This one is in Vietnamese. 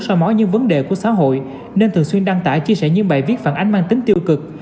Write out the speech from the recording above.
so với những vấn đề của xã hội nên thường xuyên đăng tải chia sẻ những bài viết phản ánh mang tính tiêu cực